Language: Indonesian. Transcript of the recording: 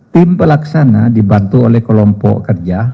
tim pelaksana dibantu oleh kelompok kerja